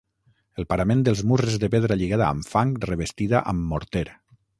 El parament dels murs és de pedra lligada amb fang revestida amb morter.